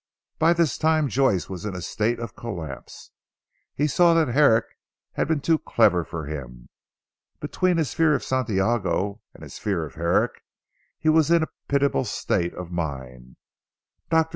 By this time Joyce was in a state of collapse. He saw that Herrick had been too clever for him. Between his fear of Santiago and his fear of Herrick he was in a pitiable state of mind. Dr.